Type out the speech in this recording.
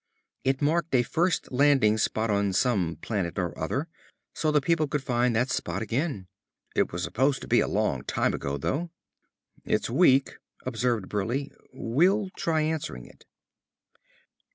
It marked a first landing spot on some planet or other, so the people could find that spot again. It was supposed to be a long time ago, though." "It's weak," observed Burleigh. "We'll try answering it."